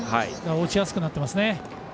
落ちやすくなってますよね。